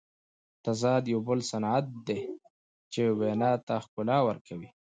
تضاد یو بل صنعت دئ، چي وینا ته ښکلا ورکوي.